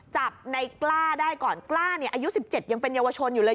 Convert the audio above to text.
จับในกล้าได้ก่อนกล้าเนี่ยอายุ๑๗ยังเป็นเยาวชนอยู่เลย